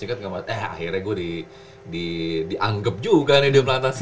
ikat gak apa apa eh akhirnya gue dianggep juga nih di platnas gitu